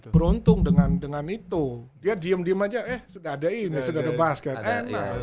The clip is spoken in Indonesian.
beruntung dengan itu dia diem diem aja eh sudah ada ini sudah ada basket enak